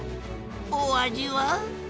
お味は？